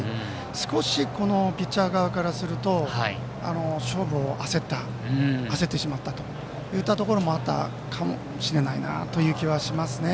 少し、ピッチャー側からすると勝負を焦ってしまったというところもあったかもしれないなという気はしますね。